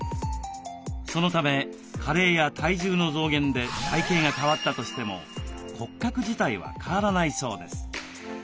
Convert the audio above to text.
そのため加齢や体重の増減で体型が変わったとしても骨格自体は変わらないそうです。